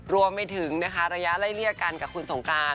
รวมไปถึงระยะละเอียดกันกับคุณสงการ